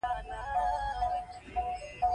کابل یې له مخالفینو څخه وژغوره او د واک مرکز یې کړ.